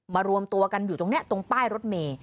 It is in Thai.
รวมตัวกันอยู่ตรงนี้ตรงป้ายรถเมย์